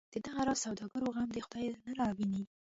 د دغه راز سوداګرو غم دی خدای نه راوویني.